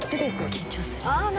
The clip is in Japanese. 緊張するな。